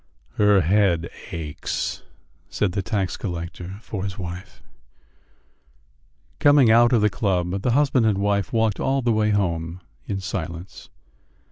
"Her head aches," said the tax collector for his wife. Coming out of the club, the husband and wife walked all the way home in silence.